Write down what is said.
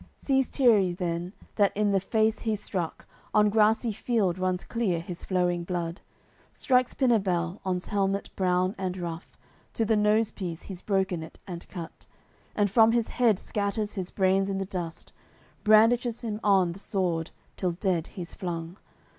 AOI. CCLXXXVI Sees Tierris then 'that in the face he's struck, On grassy field runs clear his flowing blood; Strikes Pinabel on 's helmet brown and rough, To the nose piece he's broken it and cut, And from his head scatters his brains in th' dust; Brandishes him on th' sword, till dead he's flung.